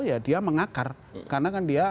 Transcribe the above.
ya dia mengakar karena kan dia